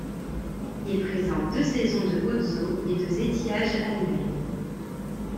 Il présente deux saisons de hautes eaux, et deux étiages annuels.